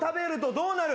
どうなる？